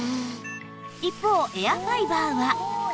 一方エアファイバーは